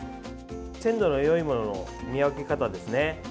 鮮度のよいものの見分け方ですね。